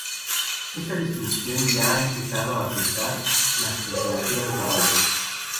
Esta disrupción ya ha empezado a afectar las temperaturas globales.